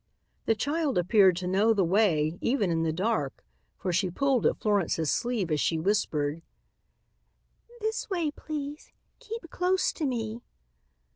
The child appeared to know the way, even in the dark, for she pulled at Florence's sleeve as she whispered: "This way please. Keep close to me."